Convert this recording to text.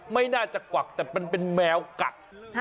ไม่น่าจะกวักแต่มันเป็นแมวกัด